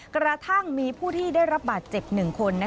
กระทั่งมีผู้ที่ได้รับบาดเจ็บ๑คน